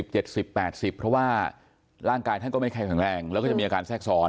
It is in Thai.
ใช่ค่ะ๖๐๗๐๘๐เพราะว่าร่างกายท่านก็ไม่แข็งแรงแล้วก็จะมีอาการแซ่งศร